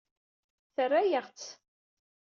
Terra-yaɣ-t.